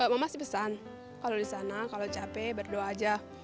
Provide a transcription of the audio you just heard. mama sih pesan kalau di sana kalau capek berdoa aja